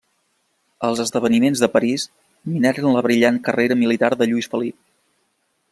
Els esdeveniments de París minaren la brillant carrera militar de Lluís Felip.